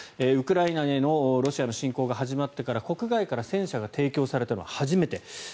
ウクライナへのロシアの侵攻が始まってから国外から戦車が提供されたのは初めて。